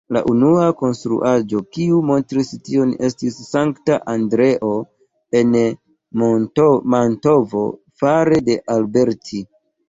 La unua konstruaĵo kiu montris tion estis Sankta Andreo en Mantovo fare de Alberti.